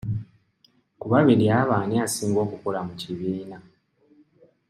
Ku babiri abo ani asinga okukola mu kibiina?